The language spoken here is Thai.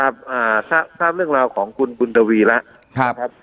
ทราบเรื่องราวของคุณบุญทวีแล้วนะครับ